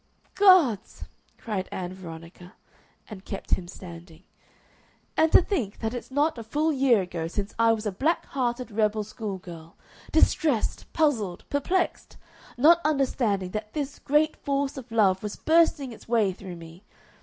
"Gods!" cried Ann Veronica, and kept him standing. "And to think that it's not a full year ago since I was a black hearted rebel school girl, distressed, puzzled, perplexed, not understanding that this great force of love was bursting its way through me!